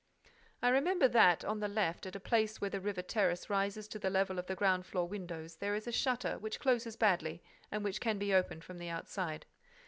"I remember that, on the left, at a place where the river terrace rises to the level of the ground floor windows, there is a shutter which closes badly and which can be opened from the outside."